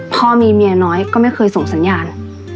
พ่อมีเมียน้อยก็ไม่เคยส่งสัญญาณ